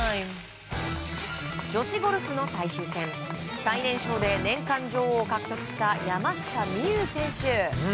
女子ゴルフの最終戦最年少で年間女王を獲得した山下美夢有選手。